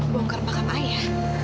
bongkar pakat a ya